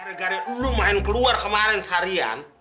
gara gara lu main keluar kemarin seharian